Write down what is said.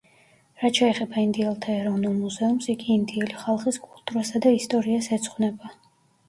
რაც შეეხება ინდიელთა ეროვნულ მუზეუმს, იგი ინდიელი ხალხის კულტურასა და ისტორიას ეძღვნება.